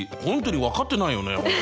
本当に分かってないよね